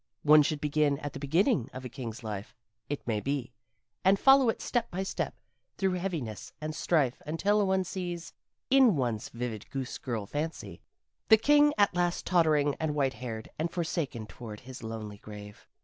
One should begin at the beginning of a king's life, it may be, and follow it step by step through heaviness and strife until one sees, in one's vivid goose girl fancy, the king at last tottering and white haired and forsaken toward his lonely grave.